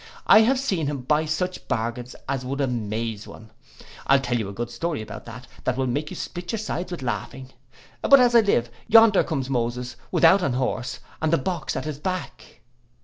I have seen him buy such bargains as would amaze one. I'll tell you a good story about that, that will make you split your sides with laughing—But as I live, yonder comes Moses, without an horse, and the box at his back.